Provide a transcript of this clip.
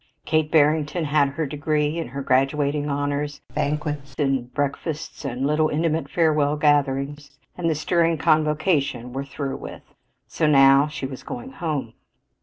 Kate Barrington had her degree and her graduating honors; the banquets and breakfasts, the little intimate farewell gatherings, and the stirring convocation were through with. So now she was going home.